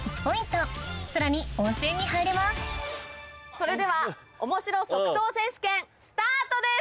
それではおもしろ即答選手権スタートです！